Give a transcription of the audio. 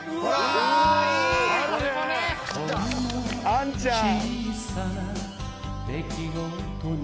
・「あんちゃん」